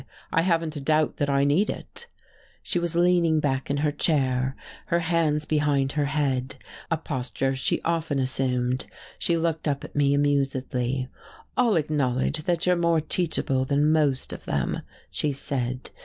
"I haven't a doubt that I need it." She was leaning back in her chair, her hands behind her head, a posture she often assumed. She looked up at me amusedly. "I'll acknowledge that you're more teachable than most of them," she said.